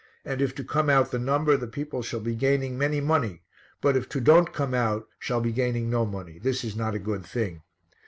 And if to come out the number, the people shall be gaining many money, but if to don't come out, shall be gaining no money. This is not a good thing.